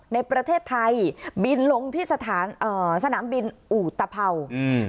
ในประเทศไทยบินลงที่สถานเอ่อสนามบินอุตภัวร์อืม